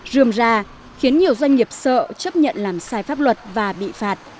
rươm ra khiến nhiều doanh nghiệp sợ chấp nhận làm sai pháp luật và bị phạt